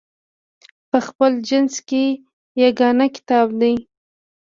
په خپل جنس کې یګانه کتاب دی.